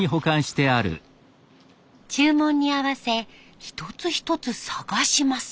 注文に合わせ一つ一つ探します。